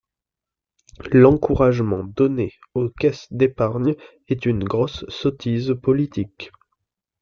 L’encouragement donné aux Caisses d’Épargne est une grosse sottise politique.